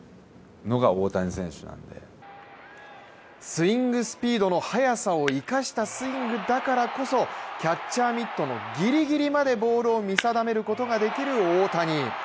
スイングスピードの速さを生かしたスイングだからこそ、キャッチャーミントのギリギリまでボールを見定めることができる大谷。